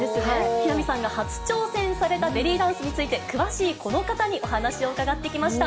木南さんが初挑戦されたベリーダンスについて、詳しいこの方にお話を伺ってきました。